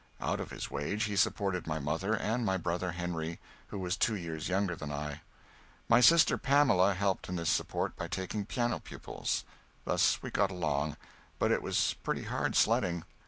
Out of his wage he supported my mother and my brother Henry, who was two years younger than I. My sister Pamela helped in this support by taking piano pupils. Thus we got along, but it was pretty hard sledding.